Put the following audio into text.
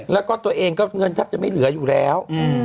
แล้วก็ตัวเองก็เงินแทบจะไม่เหลืออยู่แล้ว